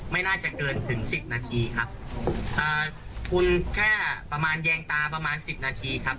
ไม่น่าจะเกินถึงสิบนาทีครับอ่าคุณแค่ประมาณแยงตาประมาณสิบนาทีครับ